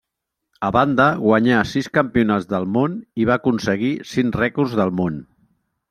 A banda guanyà sis campionats del món i va aconseguir cinc rècords del món.